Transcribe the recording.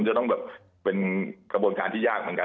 จะต้องแบบเป็นกระบวนการที่ยากเหมือนกัน